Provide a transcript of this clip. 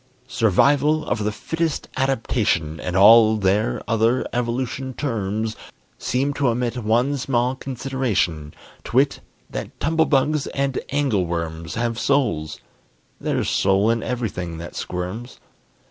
Survival of the fittest adaptation, And all their other evolution terms, Seem to omit one small consideration, To wit, that tumblebugs and angleworms Have souls: there's soul in everything that squirms.